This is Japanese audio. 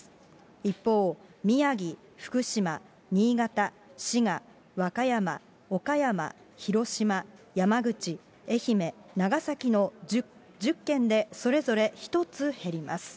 一方、宮城、福島、新潟、滋賀、和歌山、岡山、広島、山口、愛媛、長崎の１０件で、それぞれ１つ減ります。